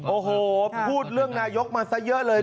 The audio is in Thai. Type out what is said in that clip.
โอ้โหพูดเรื่องนายกมาซะเยอะเลย